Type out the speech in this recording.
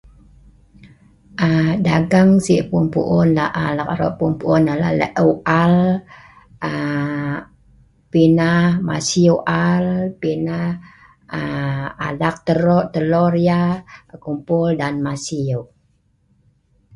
Aa dagang si pu'un pu'un an eek pu'un alaam la'eu al, aa pi nah masiew al, pi nah aa alak telor yeh, pi nah kumpul dan masiew.